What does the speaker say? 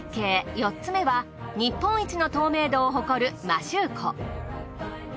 ４つめは日本一の透明度を誇る摩周湖。